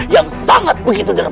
yang sangat begitu dermati